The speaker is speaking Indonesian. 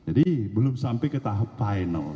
jadi belum sampai ke tahap final